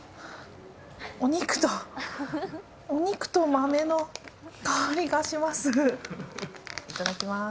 お肉と、お肉と豆の香りがします。